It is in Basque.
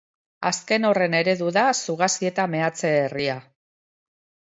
Azken horren eredu da Zugaztieta meatze-herria.